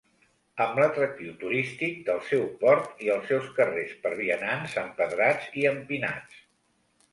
Amb l'atractiu turístic del seu port i els seus carrers per vianants, empedrats i empinats.